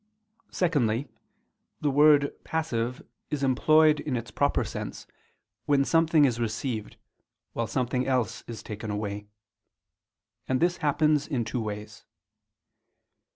Secondly, the word "passive" is employed in its proper sense, when something is received, while something else is taken away: and this happens in two ways.